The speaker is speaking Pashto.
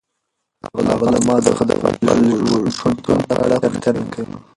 هغه له ما څخه د خپل شتون په اړه پوښتنه کوي.